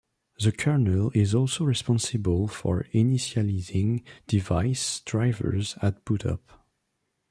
The kernel is also responsible for initializing device drivers at bootup.